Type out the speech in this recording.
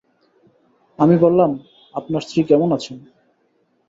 আমি বললাম, আপনার স্ত্রী কেমন আছেন?